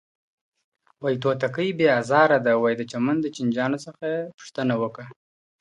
¬ واى توتکۍ بې ازاره ده، واى د چمن د چينجيانو څخه پوښتنه وکه.